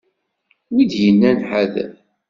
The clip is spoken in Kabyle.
Win d-yennan ḥader.